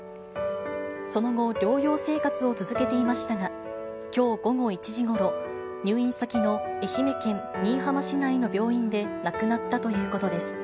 その後、療養生活を続けていましたが、きょう午後１時ごろ、入院先の愛媛県新居浜市内の病院で亡くなったということです。